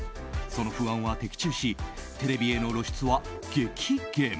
その不安は的中しテレビへの露出は激減。